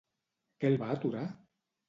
Què el va aturar?